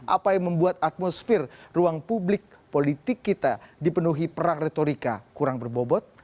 apa yang membuat atmosfer ruang publik politik kita dipenuhi perang retorika kurang berbobot